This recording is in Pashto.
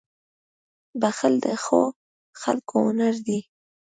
• بښل د ښو خلکو هنر دی.